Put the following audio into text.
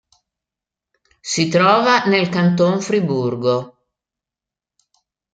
Si trova nel canton Friburgo.